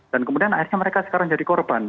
dan kemudian akhirnya mereka sekarang jadi korban